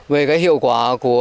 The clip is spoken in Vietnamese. về cái hiệu quả của